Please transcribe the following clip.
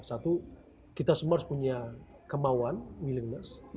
satu kita semua harus punya kemauan willingness